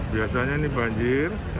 biasanya ini banjir